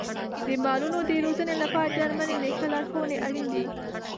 د مالونو د روزنې لپاره د درملنې ښه لارښونې اړین دي.